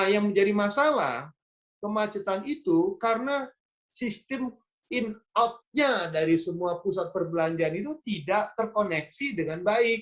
yang menjadi masalah kemacetan itu karena sistem in out nya dari semua pusat perbelanjaan itu tidak terkoneksi dengan baik